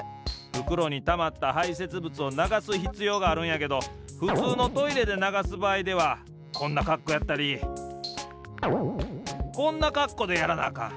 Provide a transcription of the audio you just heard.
ふくろにたまったはいせつぶつをながすひつようがあるんやけどふつうのトイレでながすばあいではこんなかっこうやったりこんなかっこうでやらなあかん。